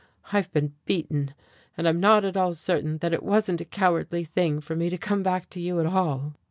I've been beaten. And I'm not at all certain that it wasn't a cowardly thing for me to come back to you at all."